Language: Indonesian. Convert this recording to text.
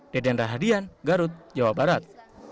deden rahadian garut jawa barat